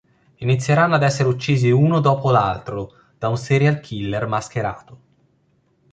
Inizieranno ad essere uccisi uno dopo l'altro da un serial killer mascherato.